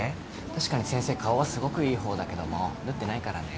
確かに先生顔はすごくいい方だけども縫ってないからね。